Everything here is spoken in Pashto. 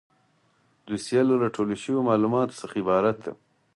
دوسیه له راټول شویو معلوماتو څخه عبارت ده.